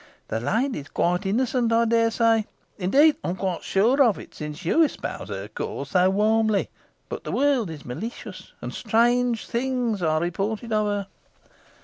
The lady is quite innocent, I dare say. Indeed, I am quite sure of it, since you espouse her cause so warmly. But the world is malicious, and strange things are reported of her."